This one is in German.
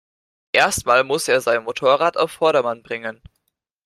Erst mal muss er sein Motorrad auf Vordermann bringen.